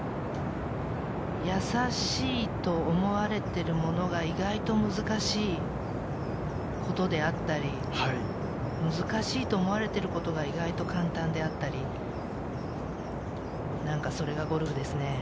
やさしいと思われているものが意外と難しいことであったり、難しいと思われていることが意外と簡単であったり、何かそれがゴルフですね。